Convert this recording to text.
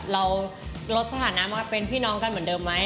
เราลดสถานะมาเป็นพี่น้องกันเหมือนเดิมไหม